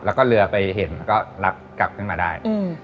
แล้วก็เรือไปเห็นก็รับกลับขึ้นมาได้